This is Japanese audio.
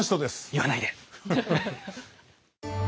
言わないで！